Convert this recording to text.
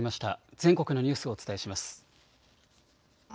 全国のニュースをお伝えします。